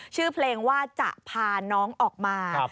ชื่อเพลงว่าจะพาน้องออกมา